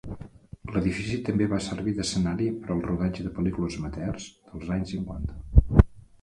L'edifici també va servir d'escenari per al rodatge de pel·lícules amateurs dels anys cinquanta.